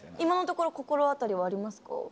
今のところ心当たりはありますか？